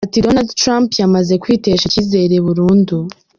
Ati ‘‘Donald Trump yamaze kwitesha icyizere burundu.